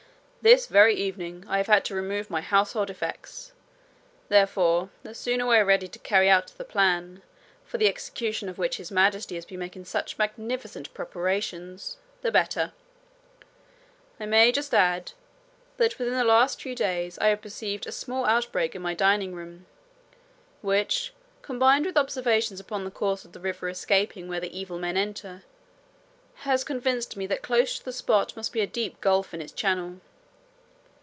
'This very evening I have had to remove my household effects; therefore the sooner we are ready to carry out the plan, for the execution of which His Majesty has been making such magnificent preparations, the better. I may just add, that within the last few days I have perceived a small outbreak in my dining room, which, combined with observations upon the course of the river escaping where the evil men enter, has convinced me that close to the spot must be a deep gulf in its channel.